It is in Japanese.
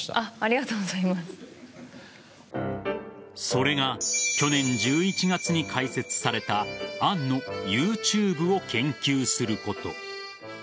それが去年１１月に開設された杏のＹｏｕＴｕｂｅを研究すること。